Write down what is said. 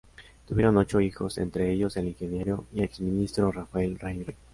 Tuvieron ocho hijos, entre ellos el ingeniero y ex-ministro Rafael Rey Rey.